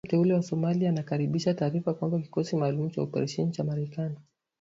Rais mteule wa Somalia anakaribisha taarifa kwamba kikosi maalum cha operesheni cha Marekani